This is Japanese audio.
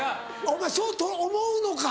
お前そう思うのか。